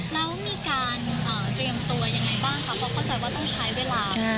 แล้วมีการต่อเรียนตัวยังไงบ้างคะ